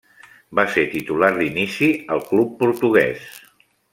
Va ser titular d'inici al club portuguès.